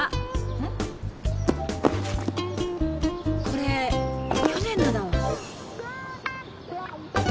うん？これ去年のだわ。